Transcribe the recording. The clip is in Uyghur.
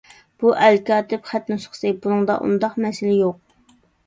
بۇ ئەلكاتىپ خەت نۇسخىسى، بۇنىڭدا ئۇنداق مەسىلە يوق.